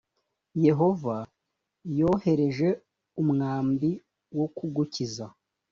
yehova yohereje umwambi wo kugukiza